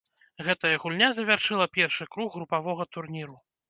Гэтая гульня завяршыла першы круг групавога турніру.